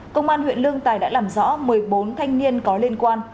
công an huyện lương tài đã làm rõ một mươi bốn thanh niên có liên quan